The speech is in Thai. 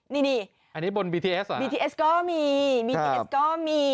นี่นี่อันนี้บนบีทีเอสเหรอบีทีเอสก็มีบีทีเอสก็มี